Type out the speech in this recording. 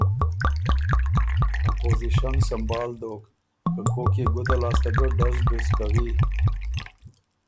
ا پوزیشن سمبهال دوک که کوک يې ګُده لاسته ګۀ ډز ډُز کوی